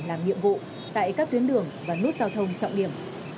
làm nhiệm vụ tại các tuyến đường và nút giao thông trọng điểm